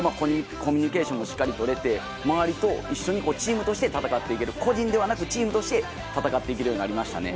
コミュニケーションもしっかりとれて周りと一緒にチームとして戦っていける個人ではなくチームとして戦っていけるようになりました。